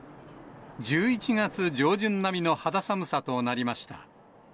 １１月上旬並みの肌寒さとなりました。